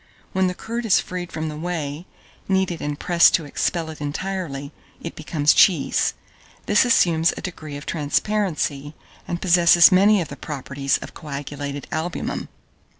When the curd is freed from the whey, kneaded and pressed to expel it entirely, it becomes cheese. This assumes a degree of transparency, and possesses many of the properties of coagulated albumen.